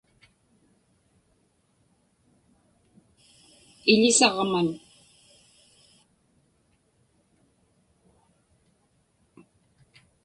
iḷisaġman